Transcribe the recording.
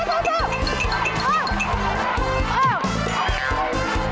ไปแล้ว